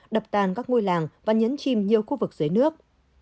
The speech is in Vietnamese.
đập tàn các ngôi làng và nhấn chìm nhiều khu vực dưới nước